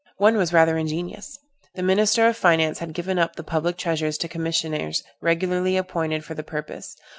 One was rather ingenious. The minister of finance had given up the public treasures to commissioners regularly appointed for the purpose.